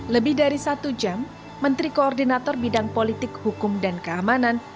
lebih dari satu jam menteri koordinator bidang politik hukum dan keamanan